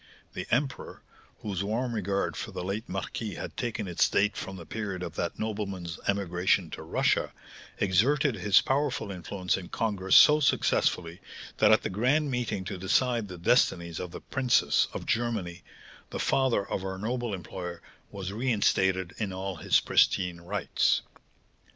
The emperor, whose warm regard for the late marquis had taken its date from the period of that nobleman's emigration to Russia, exerted his powerful influence in congress so successfully, that at the grand meeting to decide the destinies of the princes of Germany, the father of our noble employer was reinstated in all his pristine rights.